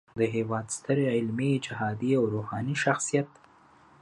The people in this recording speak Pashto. د هیواد ستر علمي، جهادي او روحاني شخصیت